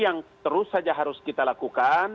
yang terus saja harus kita lakukan